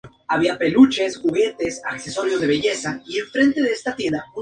Oldfield aceptó competir contra el por entonces campeón, Alexander Winton.